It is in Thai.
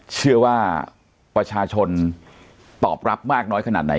เชื่อว่าประชาชนตอบรับมากน้อยขนาดไหน